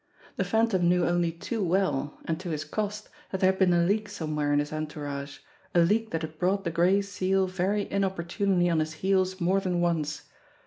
The Phantom knew only too well, and to his cost, that there had been a leak somewhere in his entourage, a leak that had brought the Gray Seal very inopportunely on his heels more than once.